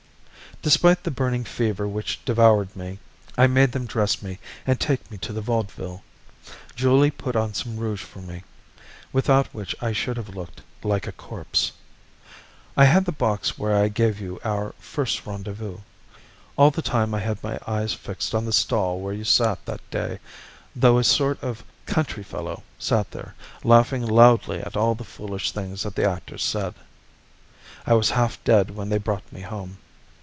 Despite the burning fever which devoured me, I made them dress me and take me to the Vaudeville. Julie put on some rouge for me, without which I should have looked like a corpse. I had the box where I gave you our first rendezvous. All the time I had my eyes fixed on the stall where you sat that day, though a sort of country fellow sat there, laughing loudly at all the foolish things that the actors said. I was half dead when they brought me home.